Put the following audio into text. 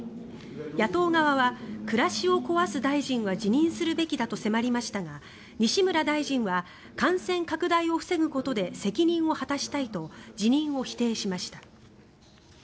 野党側は暮らしを壊す大臣は辞任すべきだと迫りましたが西村大臣は感染拡大を防ぐことで責任を果たしたいと辞任を否定しました。